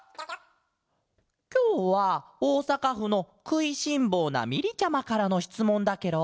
きょうはおおさかふの「くいしんぼうなみり」ちゃまからのしつもんだケロ！